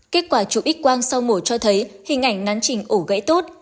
kết quả chụp x quang sau mổ cho thấy hình ảnh nắn trình ổ gãy tốt